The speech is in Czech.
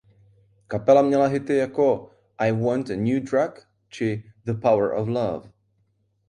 Kapela měla hity jako "I Want a New Drug" či "The Power of Love".